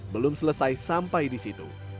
belum selesai sampai di situ